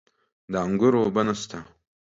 د انګورو اوبه نشته؟